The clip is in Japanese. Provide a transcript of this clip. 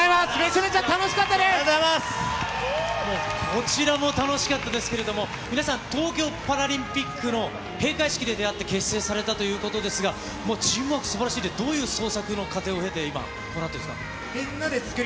こちらも楽しかったですけれども、皆さん、東京パラリンピックの閉会式で出会って結成されたということですが、もうチームワーク、すばらしいですが、どういう創作の過程を経て、今、こうなってるんですか。